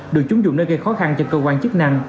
được chúng dùng đã gây khó khăn cho cơ quan chức năng